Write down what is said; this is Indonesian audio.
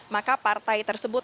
maka partai tersebut